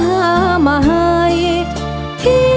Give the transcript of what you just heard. ขอบคุณครับ